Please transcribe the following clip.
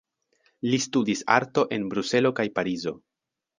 Li studis arto en Bruselo kaj Parizo.